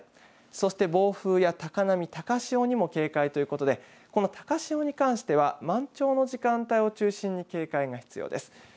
そして暴風や高波、高潮にも警戒ということでこの高潮に関しては満潮の時間帯を中心に警戒が必要です。